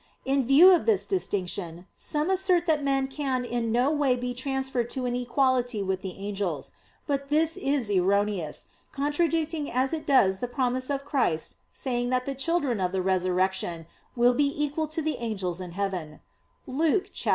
In view of this distinction, some asserted that men can in no way be transferred to an equality with the angels; but this is erroneous, contradicting as it does the promise of Christ saying that the children of the resurrection will be equal to the angels in heaven (Luke 20:36).